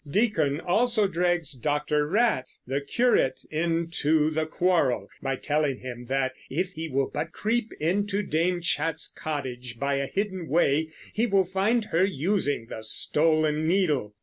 Diccon also drags Doctor Rat, the curate, into the quarrel by telling him that, if he will but creep into Dame Chatte's cottage by a hidden way, he will find her using the stolen needle.